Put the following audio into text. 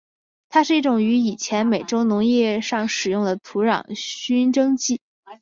它是一种于以前美洲农业上使用的土壤熏蒸剂。